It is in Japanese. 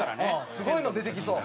すごいの出てきそう。